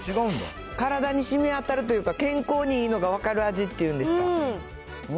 体に染みわたるというか、健康にいいのが分かる味っていうんですか。